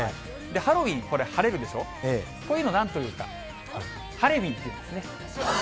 ハロウィーン、晴れてるでしょ、こういうのなんていうか、晴れウィンというんですね。